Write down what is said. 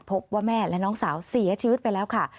พบว่าแม่และน้องสาวเสียชีวิตไปแล้วค่ะ